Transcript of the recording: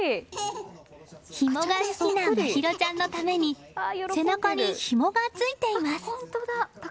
ひもが好きな真寛ちゃんのために背中にひもがついています。